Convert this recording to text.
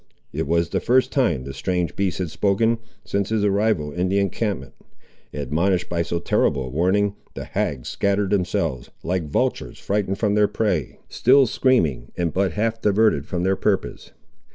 It was the first time the strange beast had spoken, since his arrival in the encampment. Admonished by so terrible a warning, the hags scattered themselves, like vultures frightened from their prey, still screaming, and but half diverted from their purpose.